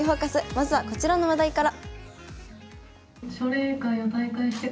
まずはこちらの話題から。